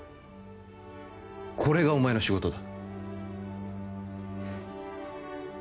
これがお前の仕事だ